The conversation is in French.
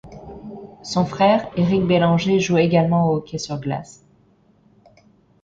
Son frère Érick Bélanger joue également au hockey sur glace.